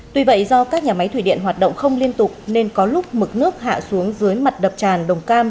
tuy vậy do các nhà máy thủy điện hoạt động không liên tục nên có lúc mực nước hạ xuống dưới mặt đập tràn đồng cam